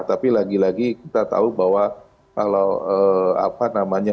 tapi lagi lagi kita tahu bahwa kalau apa namanya